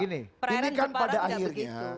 ini kan pada akhirnya